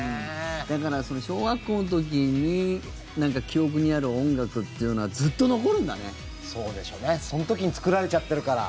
だから、小学校の時に記憶にある音楽っていうのはそうでしょうね。その時に作られちゃってるから。